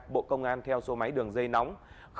bộ công an theo số máy đường dây nóng